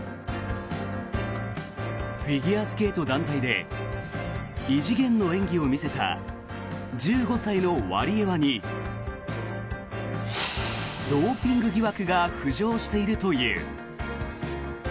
フィギュアスケート団体で異次元の演技を見せた１５歳のワリエワにドーピング疑惑が浮上しているという。